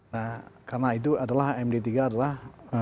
nah karena itu adalah md tiga adalah